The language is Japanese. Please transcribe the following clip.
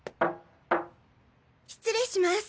失礼します。